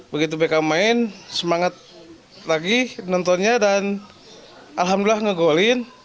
begitu beckham main semangat lagi nontonnya dan alhamdulillah ngegolin